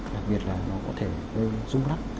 đặc biệt là nó có thể gây rung lắc